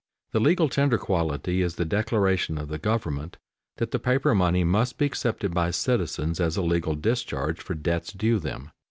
The "legal tender" quality is the declaration of the government that the paper money must be accepted by citizens as a legal discharge for debts due them.